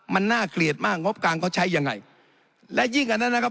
มันน่าเกลียดมากงบกลางเขาใช้ยังไงและยิ่งอันนั้นนะครับ